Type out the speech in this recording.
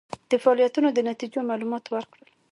د فعالیتونو د نتیجو معلومات ورکړل.